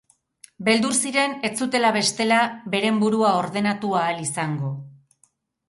Beldur ziren ez zutela bestela beren burua ordenatu ahal izango.